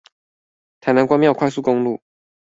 台南關廟快速公路